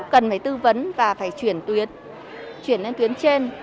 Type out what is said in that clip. cần phải tư vấn và phải chuyển tuyến chuyển lên tuyến trên